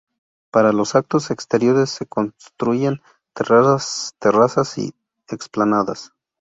Para los actos exteriores se construyen terrazas y explanadas.